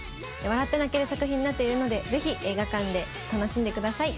笑って泣ける作品になっているのでぜひ映画館で楽しんでください。